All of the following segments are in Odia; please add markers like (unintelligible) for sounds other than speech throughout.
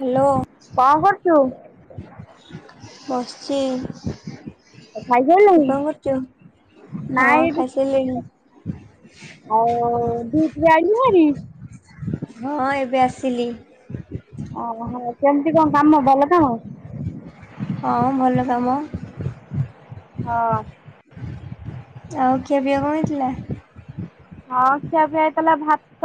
ହ୍ୟାଲୋ କଣ କରୁଛୁ? ବସ୍ଛି। ତୁ ଖାଇସାରିଲୁଣି? କଣ କରୁଛୁ? ହଁ ନାଇଁ ଏଠି ଖାଇସାରିଲିଣି। ଆଉ ଡ୍ୟୁଟିରୁ ଆଇଲୁ ହାରି? ହଁ ଏବେ ଆସିଲି। ଓହୋ କେମତି କଣ କାମ ଭଲ କାମ? ହଁ ଭଲ କାମ। ହଁ। ଆଉ ଖିଆପିଆ କଣ ହେଇଥିଲା? ହଁ ଖିଆ ପିଆ ହେଇଥିଲା ଭାତ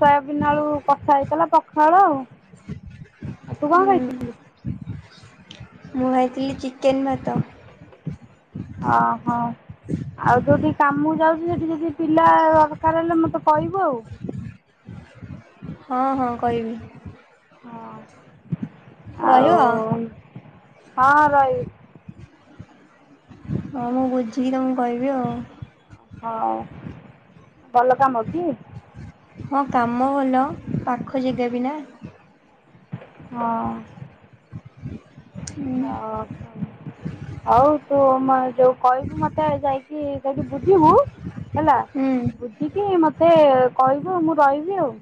ସୋୟାବିିନ ଆଳୁ କଷା, ହେଇଥିଲା ପଖାଳ ଆଉ। ଆଉ ତୁ କଣ ହୁଁ ଖାଇଥିଲୁ? (inaudible) ମୁଁ ଖାଇଥିଲି ଚିକେନ୍, ଭାତ। ଓହୋ ଆଉ ଯୋଉଟି କାମକୁ ଯାଉଚୁ ସେଠି ଯଦି ପିଲା ଦରକାର ହେଲେ ମତେ କହିବୁ ଆଉ। ହଁ ହଁ କହିବି। ହଁ ଆଉ ରହିବ? ହଁ ରହିବି। ହୋଉ ମୁଁ ବୁଝିକି ତମକୁ କହିବି ଆଉ। ହୋଉ ଭଲ କାମ କି? ହଁ କାମ ଭଲ ପାଖ ଜେଗା ବି ନା। ହଁ। ହୁଁ ଆଉ ହୋଉ ତୁ ମ ଯୋଉ କହିବୁ ମତେ ଯାଇକି ସେଠି ବୁଝିବୁ ହେଲା ହୁଁ। ବୁଝିକି ମତେ କହିବୁ ମୁଁ ରହିବି ଆଉ।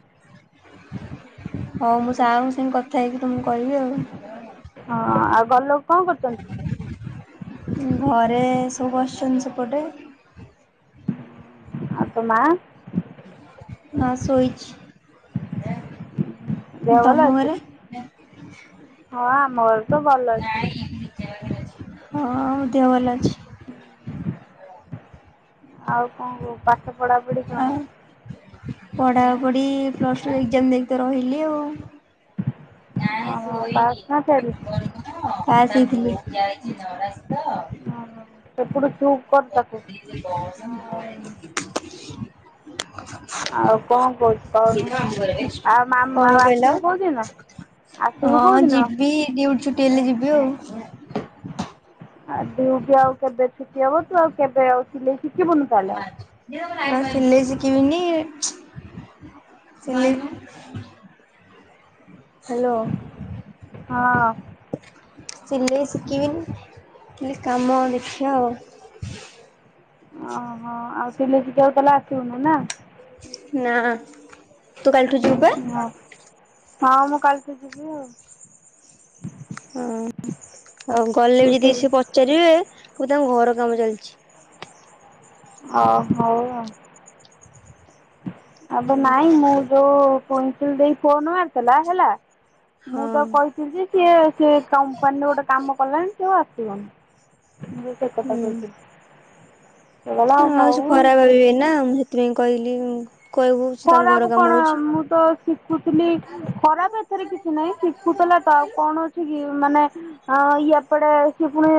ହୋଉ ମୁଁ ହେଲା ସାର୍ ଙ୍କ ସାଙ୍ଗେ କଥା ହେଇକି ତୁମକୁ କହିବି ଆଉ। ହଁ ଆଉ ଘର ଲୋକ କଣ କରୁଛନ୍ତି? ଘରେ ସବୁ ବସିଛନ୍ତି ସେପଟେ। ଆଉ ତୋ ମା? ମା ଶୋଇଛି। ଦେହ ଭଲ ତମ ଅଛି? ଘରେ? ହଁ ଆମ ଘରେ ତ ଭଲ ଅଛି। ହଁ ମୋ ଦେହ ଭଲ ଅଛି। ଆଉ କଣ କଣ ପାଠ ପଢାପଢି କଣ? ଆଉ ପଢାପଢି ପ୍ଲସ ଟୁ ଏଗ୍କ୍ଜାମ ଦେଇକି ତ ରହିଲି ଆଉ। ନାଇଁ ପାସ୍ ଶୋଇନି। ନା ଫେଲ୍? ହଁ ଯାଇଥିଲି। ହଁ ସେପଟୁ ଚୁପ କର ତାକୁ। ଆଉ (inaudible) ଆଉ କଣ କହୁଚୁ କହୁନୁ ଆଉ ମାମ କଣ ଆଉ କହିଲ ଆସିବୁ କୋଉଦିନ? ଆସିବୁ ହଁ କୋଉଦିନ? ଯିବି ଡ୍ୟୁଟି ଛୁଟି ହେଲେ ଯିବି ଆଉ। ଆଉ ଡ୍ୟୁଟି ଆଉ କେବେ ଛୁଟି ହବ ତୁ ଆଉ କେବେ ଆଉ ସିଲେଇ ଶିଖିବୁନୁ। ତା'ହେଲେ ହଁ ସିଲେଇ ଶିଖିବିନି ସିଲେଇ ହ୍ୟାଲୋ। ହଁ। ସିଲେଇ ଶିଖିବିନି ଖାଲି କାମ ଦେଖିଆ ଆଉ। ଓହୋ ଆଉ ସିଲେଇ ସିଖିଆକୁ ତାହେଲେମ ଆସିବୁନୁ ନା। ନାଁ ତୁ କାଲିଠୁ ଯିବୁ ବା? ହଁ ହଁ ମୁଁ କାଲିିଠୁ ଯିବି ଆଉ। ହଁ ଆଉ ଗଲେ ବି ଯଦି ସେ ପଚାରିବେ କହିବୁ ତାଙ୍କ ଘର କାମ ଚାଲିଛି। ହ ହଉ ଆଉ।। ଏବେ ନାଇଁ ମୁଁ ଯୋଉ ଟ୍ୱିନକିଲ ଦେଇ ଫୋନ ମାରିଥିଲା ହେଲା ହଁ ମୁଁ ତ କହି ଆସିଚି। ସିଏ କମ୍ପାନୀ ରେ ଗୋଟେ କାମ କଲାନି ସେ ଆଉ ଆସିବନି। ଠିକ୍ କଥା କହିଁଚୁ। ହ ଆଉ ସେ ଖରାପ୍ ବେଳେ ନା ମୁଁ ସେଥିପାଇଁ କହିଲି କହିବୁ ସେ ତାଙ୍କ ଘର ଖରାପ କାମ କଣ ହଉଛି। ମୁଁ ତ ଶିଖୁଥିଲି ଖରାପ ଏଥେରେ କିଛି ନାହିଁ ଶିଖୁଥିଲା ତ ଆଉ କଣ ଅଛି କି। କି ମାନେ ଏପଡେ ସିଏ ପୁଣି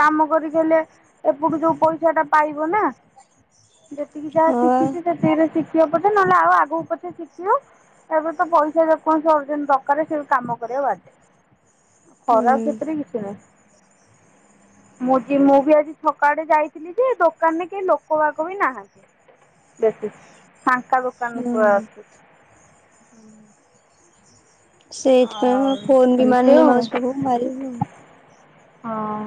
କାମ କରିଦେଲେ ଏପଟୁ ଯୋଉ ପଇସା ଟା ପାଇବ ନା ଯେତିକି ଯାହା ହଁ ଶିଖିଛି ସେଥିରେ ଶିଖିବ ପଛେ ନହେଲେ ଆଉ ଆଗକୁ ପଛେ ଶିଖିବ। ଏବେ ତ ପଇସା ଯେକୌଣସି ଅର୍ଜନ ଦରକାରେ ସେ କାମ କରିବାକୁ ବାଧ୍ୟ। ହୁଁ ଖରାପ୍ ସେଥିରେ କିଛି ନାହିଁ। ମୁଁ ଜି ମୁଁ ବି ଆଜି ଛକ ଆଡେ ଯାଇଥିଲି ଯେ ଦୋକାନରେ କେହି ଲୋକ ବାକ ବି ନାହାନ୍ତି। ବେସି ଫାଙ୍କା ଦୋକାନ ଗୁରା ହୁଁ। ଅଛି। ସେଇଥିପାଇଁ ମୁଁ ଆଉ ଫୋନ୍ ବି ଏମିତି ମାରିନି ଆଉ ମାଉସୀ ପାଖକୁ ମାରିବି ଆଉ। ହଁ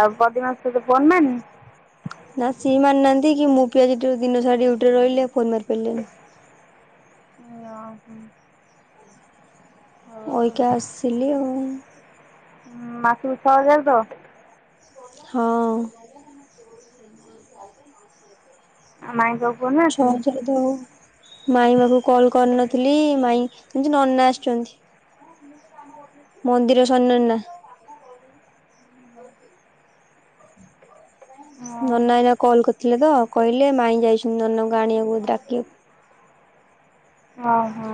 ଆଉ ବଦି ମସି ତୋତେ ଫୋନ୍ ମାନ୍ ନି ନା ସିଏ ମାନ୍ ନାହାନ୍ତି କି ମୁଁ ପିଆ ଜିଟୁରୁ ଦିନ ସାରା ଡିଉଟିରେ ରହିଲି ଆଉ ଫୋନ ମାରପାରିଲିନି। ଓଁହୋ। ଓଇ କେ ଆସିଲି ଆଉ। ମାସକୁ ଛଜାର ତ? ହଁ। ଆଉ ମାଇଁଙ୍କୁ ଆଉ ଫୋନ୍ ମାର୍ ଥିଲୁ। (unintelligible) ମାଇଁ ମାଖକୁ କଲ୍ କରିନଥିଲି ମାଇଁ ଆଜି ନନା ଆସିଛନ୍ତି। (unintelligible) ମନ୍ଦିର ଶନନା। ହଁ ନନା ଏଇନା କଲ୍ କରିଥିଲେ ତ କହିଲେ ମାଇଁ ଯାଇଚି ନନାଙ୍କୁ ଆଣିବାକୁ, ଡାକିବାକୁ। ଓ ହୋ।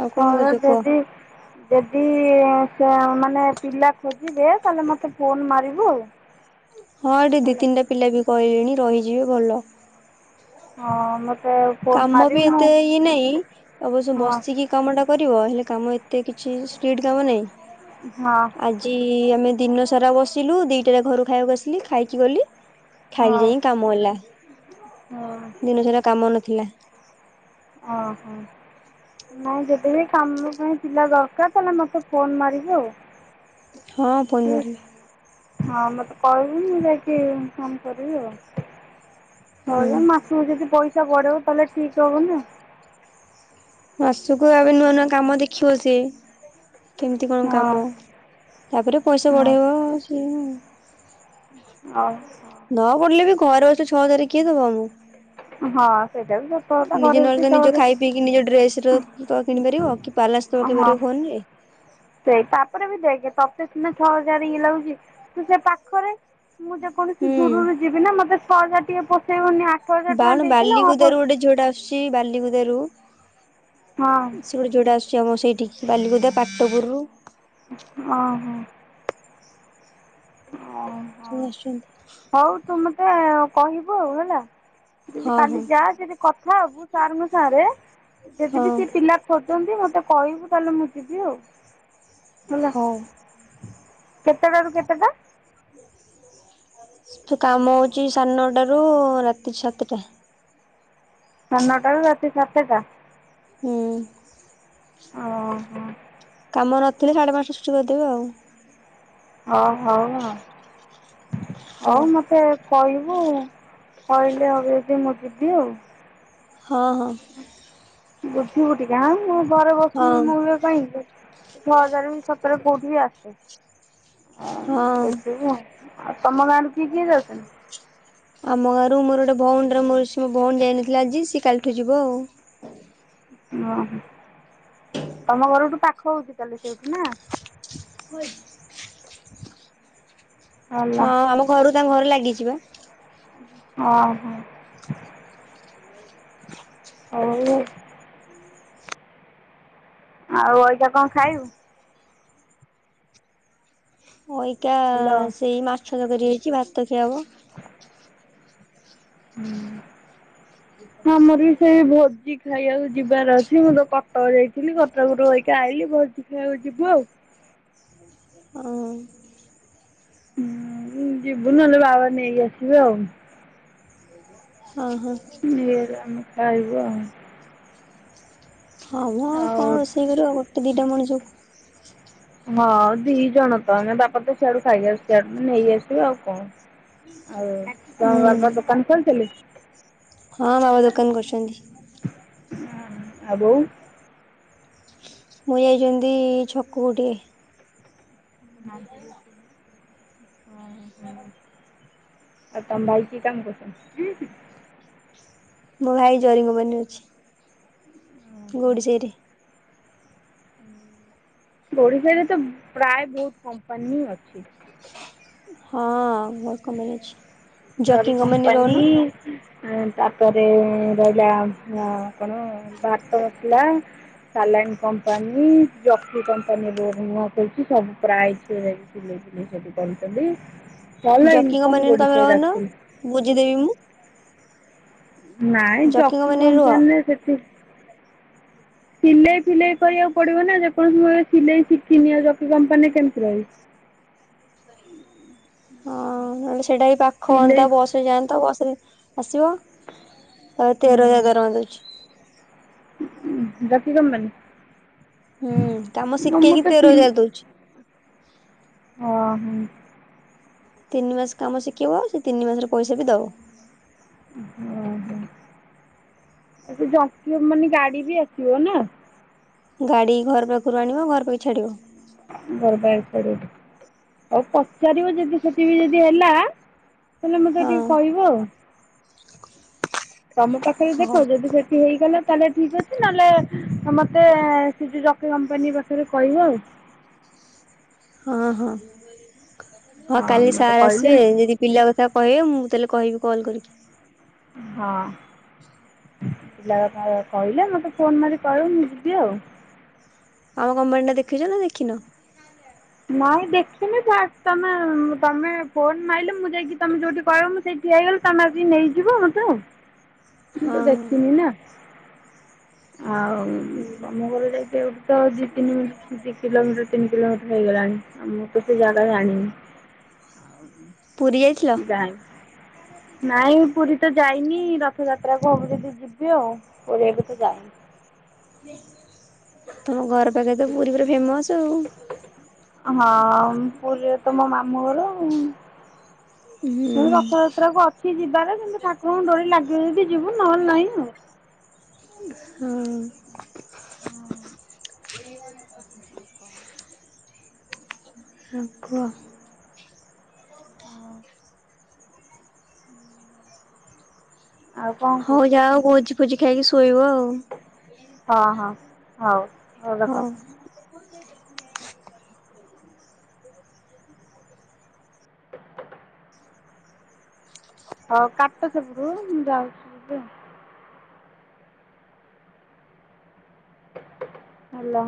ଆଉ କଣ ର କରୁଛ କୁହ? ଯଦି ଯଦି ସେ ଅ ମାନେ ପିଲା ଖୋ ଯିବେ ତାହେଲେ ମତେ ଫୋନ ମାରିବୁ। ହଁ ଏଠି ଦି ହେଲା ତିନିଟା ପିଲା ବି କହିଲେଣି ରହିଯିବେ ଭଲ। ହଁ ମତେ କାମ ବି ଏତେ ଇଏ ନାଇଁ ଅବଶ୍ୟ ହଁ ବସିକି କାମ ଟା କରିବ ହେଲେ କାମ ଏତେ କିଛି ସ୍ଟିଡ କାମ ନାହିଁ। ହଁ। ଜି ଆମେ ଦିନ ସାରା ବସିଲୁ ଦିଟାରେ ଘରୁ ଖାଇଆକୁ ଆସିଲି ଖାଇକି ଗଲି। ହଁ ଖାଇକି ଯାଇଁ କାମ ହେଲା, ହଁ ଦିନ ସାରା କାମ ନଥିଲା। ଓହୋ। ନାଇଁ ଯଦି ବିି କାମ ପାଇଁ ପିଲା ଦରକାର ତାନେ ମୋତେ ଫୋନ ମାରିବୁ। ହଁ ଫୋନ୍ ଠିକ୍ ମାରିବି। ହଁ ମତେ କହିବୁ ମୁଁ ଯାଇକି ଫୋନ୍ କରିବି ହୁଁ। (unintelligible) ମା ତୁ ଯଦି ପଇସା ବଢ଼ଉ ତାହେଲେ ଠିକ ହବ ନା। ମାସକୁ ଆବେ ନୂଆ ନୂଆ କାମ ଦେଖିବ ସିଏ। କେମିତି କଣ ହଁ କାମ ତାପରେ ପଇସା ହଁ ବଢେଇବ ସିଏ ନ। ଅଉ ନ ବଢିଲେ ବି ଘରେ ବସି ଛଅ ହଜାର କିଏ ଦବ ଆମକୁ? ହଁ ସେଇଟା ବି ସତ କଥା ଘରେ ବସିକି ଛଅ ହଜା ଦେଇକି ନିଜ ଡ୍ରେସ ର ତ କିଣି ପାରିବ କି ବାଲାଶ ତ ହଁ ପକେଇପାରିବ ଫୋନ ରେ। ସେଇ ତାପରେ ବି ଦେଖେ ତତେ ସିନା ଛଅ ହଜାର ଇଏ ଲାଗୁଛି ତୁ ସେ ପା ଖରେ ମୁଁ ଯେକୌଣସି ଦୂରରୁ ହୁଁ ଯିବି ନା ମୋତେ ଛଅହଜାର ଟିକେ ପୋସେଇବନି ଆ ବାଣ ବାଲିକୁୁଦ ର ଗୋଟେ ଝିଅଟା ଆସୁଛି ବାଲିକୁୁଦାରୁ। ହଁ। ସେଠୁ ଗୋଟେ ଝିଅଟେ ଆସଚି ଆଉ ମ ସେଇଠି କି ବାଲିଗୋଦା ପାଟପୁରରୁ। ଓ ହୋ। ଓହ। (unintelligible) ଆସୁଛନ୍ତି ହଉ ତୁ ମତେ କହିବୁ ଆଉ ହେଲା। ଯଦି ହଁ କାଲି ହଁ ଯା ଯଦି କଥା ହବୁ ସାରଙ୍କ ସାଙ୍ଗରେ ଯଦି ହଁ ବିି ସେ ପିଲା ଖୋଜନ୍ତି ମତେ କହିବୁ ତାହେଲେ ମୁଁ ଯିବି ଆଉ। ହେଲା। ହଉ। କେତେଟାରୁ କେତେଟା? ସେଠୀ କାମ ହେଉଛି ସାଢ଼େ ନଅଟାରୁ ରାତି ସାତଟା। ସାଢ଼େ ନଅଟା ରୁ ରାତି ସାତଟା। ହୁଁ। ଓହୋ। କାମ ନଥିଲେ ସାଢ଼େ ପାଞ୍ଚଟା ଛୁଟି କରିଦେବେ ଆଉ। ହଉ ହଉ ହଉ। ହଉ ହୋଉ ମତେ କହିବୁ କହିଲେ ଆଉ ଯଦି ମୁଁ ଯିବି ଆଉ। ହଁ ହଁ। ବୁଝିବୁ ଟିକେ ଆଁ ମୁଁ ଘରେ ବସିବି ହଁ। କାଇଁ ପାଇଁ ଛଅ ହଜାର କୋଉଠି ଆସେ ହଁ ବୁଝିବୁ ଆଉ ତମ ଗାଁରେ କିଏ କିଏ ଅଛନ୍ତି? ଆମ ଗାଁରୁ ମୋର ଗୋଟେ ଭଉଣୀର ମୋର ମୋ ଭଉଣୀ ଯାଇନଥିଲା ଆଜି ସିଏ କାଲି ଠୁ ଯିବ ଆଉ। ଓହୋ ତମ ଘରଠୁ ପାଖ ହଉଛି ତାହେଲେ ସେଇଠୁ ନା। ହଏ (unintelligible) ଭଲ ହଁ ଆମ ଘରୁ ତାଙ୍କ ଘରେ ଲାଗିଚି ପା। ହଁ ହ। ହୁଁ (unintelligible) ହଉ। ଆଉ ଏଇନା କଣ ଖାଇବୁ? ଅଇକା ହ୍ୟାଲୋ ସେଇ ମାଛ ତରକାରୀ ହେଇଛି ଭାତ ଖିଆହବ ଆଉ। ଆମର ବି ସେଇ ଭୋଜି ଖାଇବାକୁ ଯିବାର ଅଛି ମୁଁ ତ କଟକ ଯାଇଥିଲି କଟକରୁ ରହିକି ଆଇଲିି ଭୋଜି ଖାଇବାକୁ ଯିବୁ ଆଉ। ହଁ। ହୁଁ ଯିବୁ ନହେଲେ ବାବା ନେଇକି ଆସିବେ ଆଉ। ହଁ ହଁ। ନେଇଆସିଲେ ଆମେ ଖାଇବୁ ଆଉ। ହଁ ମ ଆଉ କଣ ରୋଷେଇ କରିବ ଆଉ ଗୋଟେ ଦିଟା ମଣିଷକୁ। ହଁ ଦି ଜଣ ତ ଆମେ ବାପା ତ ସିଆଡୁ ଖାଇ ଆସୁଛନ୍ତି ସିଆଡୁ ନେଇ ଆସିବେ ଆଉ କଣ? ହଉ ହୁଁ ତମ ବାପା ଦୋକାନ ଖୋଲି ଥିଲେ? ହଁ ବାବା ଦୋକାନ କରିଛନ୍ତି। ଆଉ ବୋଉ? ମୁଁ ଯାଇଛନ୍ତି ଛକକୁ ଟିକେ। ହ (unintelligible) ହଁ (unintelligible) ଆଉ ତମ ଭାଇ କି କାମ କରୁଛନ୍ତି? ମୋ ଭାଇ ଜରିକମ୍ପାନୀ ରେ ଅଛି ଗୋଡ଼ି ସେଇଠି। ଓଡ଼ିଶାରେ ତ ପ୍ରାୟ ବହୁତ କମ୍ପାନୀ ହି ଅଛି। ହଁ ବହୁତ୍ କମ୍ପାନୀ ଅଛି ଜରି ଜକି କମ୍ପାନୀରେ କମ୍ପାନୀ ରହୁନ ତାପରେ ରହିଲା କଣ ଭାତ ବସିଲା ସାଲନ୍ କମ୍ପାନୀ ଜକ୍ କମ୍ପାନୀ ମୁ କହୁଛି ସବୁ ପ୍ରାଇଜଛି ିଲେଇ ଜିନି ସେଠୁ କରୁଛନ୍ତି (unintelligible) ଭଲ ଜକିଙ୍କ ଇନକମ୍ ମାନରେ ତମେ ଓଡ଼ିଶାରେ ରହନ ଆକ୍ଚୁଆଲି ବୁଝିଦେବି ମୁଁ ନାଇଁ ଜକି କମ୍ପାନୀରେ ସେଠି (inaudible) ସିଲେଇ ଫିଲେଇ କରିବାକୁ ପଡିବ ନା ଯେକୌଣସି ଭ ସିଲେଇ ଶିଖିନି ଆଉକି କମ୍ପାନୀରେ କେମିତି ରହିବି। ହଁ ନହେଲେ ସେଟା ବିି ପାଖ ସିଲେଇ ହଅନ୍ତା ବସ ଯାଆନ୍ନ୍ତତା ବସରେ ଆସିବ ଆ ତେର ହଜାର ଦରମା ଦଉଛି। ବାଖି କ ମାନ ହୁଁ କାମ ଶିଖେଇକି ମୁମର ତେର ତ ହଜାର ଦଉଛି ଓହୋ। ତିନି ମାସ କାମ ଶିଖିବ ସେ ତିନି ମାସର ପଇସା ବି ଦବ। ଓହୋ ଆ ସେ ଜ ମାନେ ଗାଡି ବି ଆସିବ ନା। ଗାଡି ଘର ପାଖରୁ ଆଣିବ ଘର ପାଖେ ଛାଡିବ। ଘର ପାଖରେ ଛାଡ଼ିବ। ଆଉ ପଚାରିବ ଯଦି ସେଠି ବି ଯଦି ହେଲା ତାହେଲେ ମୋତେ ହଁ। ଟିକେ କହିବ ଆଉ। ତମ ପାଖରେ ଦେଖ ହଁ। ଯଦି ସେ ହେଇଗଲା ତାହେଲେ ଠିକ ଅଛି ନହେଲେ ମତେ ସେ ଜକି କମ୍ପାନୀ ପାଖରେ କହିବ ଆଉ। ହଁ ହଁ ହଁ କାଲି ମୋତେ ସାର୍ କହିଲେ ଆସିବେ ଯଦି ପିଲା କଥା କହିବେ ମୁଁ ତାହେଲେ କହିବି କଲ୍ କରିକି। ହଁ। ପିଲା କହିଲେ ମତେ ଫୋନ ମାରି କହିବ ମୁ ଯିବି ଆଉ। ଆମ କମ୍ପାନୀ ଟା ଦେଖିଛ ନା ଦେଖିନ? ନାଇଁ ଦେଖିନି ସ ତମେ ତମେ ଫୋନ୍ ମାରିଲେ ମୁଁ ଯାଇକି ତମେ ଯୋଉଠି କହିବ ମୁଁ ସେଇଠି ହେଇଗଲେ ତମେ ଆସି ନେଇଯିବ ମତେ? (inaudible) ମୁ ତ ହଁ ଦେଖିନି ନା। ଆଉ। ହୁଁ। ଆମ ଘର ଯାଇକ ତ ଦୁି ତିନି ଦି କିଲୋମିଟର ତିନି କିଲୋମିଟର ହେଇଗଲାଣି। ଆମେ କିଛି ଯାଗା ଜାଣିନୁ ପୁରୀ ଏ। ଜା ଏ ନାଇଁ ପୁରୀ ତ ଯାଇନି ରଥଯାତ୍ରାକୁ ହବ ଯଦି ଯିବି ଆଉ। ପୁରୀ ଏବେତ ଯାଇନି ତମ ଘର ପାଖେ ତ ପୁରୀ ପୁରା ଫେମସ ଆଉ। ହଁ ପୁରୀରେ ତ ମୋ ମାମୁଁ ଘର ଆଉ। ସେ ରଥଯାତ୍ରା କୁ ଅଛି ଯିବାରେ କିନ୍ତୁ ଠାକୁରଙ୍କୁ ଡୋରି ଲାଗିବ ଯଦି ଯିବୁ ନହେଲେ ନାହିଁ। ହଁ। ହ କୁହ। ଆଉ କ'ଣ ହଉ କହୁଛୁ ଯାହା ଆଉ ଭୋଜି ଫୋଜି ଖାଇକି ଶୋଇବ ଆଉ। ହଁ ହଁ ହଉ। ହଉ ରଖ ହଁଉ। (inaudible) ହଉ କାଟ ସେପଟରୁ ମୁଁ ଯାଉଛି ଆଉ। ହେଲୋ।